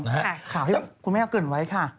ข่าวให้คุณแม่เอาเกิดไว้ค่ะ